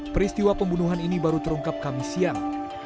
peristiwa pembunuhan ini baru terungkap kami siang